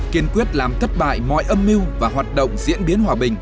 kiên quyết làm thất bại mọi âm mưu và hoạt động diễn biến hòa bình